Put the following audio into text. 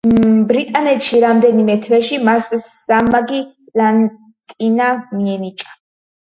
ბრიტანეთში რამდენიმე თვეში მას სამმაგი პლატინა მიენიჭა.